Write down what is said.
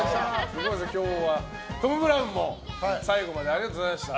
トム・ブラウンも最後までありがとうございました。